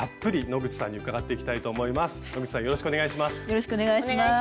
野口さんよろしくお願いします。